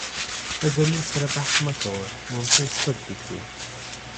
له ذليل سره بحث مه کوه ، ممکن سپک دې کړي .